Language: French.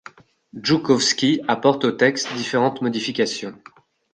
Joukovski apporte au texte différentes modifications.